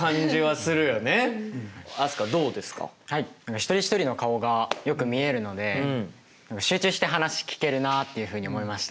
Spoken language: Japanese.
一人一人の顔がよく見えるので集中して話聞けるなっていうふうに思いました。